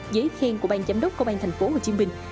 giấy khen của bang giám đốc công an thành phố hồ chí minh